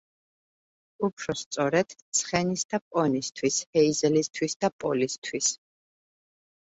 უფრო სწორედ, ცხენის და პონისთვის, ჰეიზელისთვის და პოლისთვის.